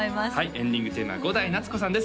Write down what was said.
エンディングテーマは伍代夏子さんです